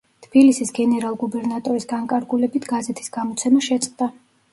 თბილისის გენერალ-გუბერნატორის განკარგულებით გაზეთის გამოცემა შეწყდა.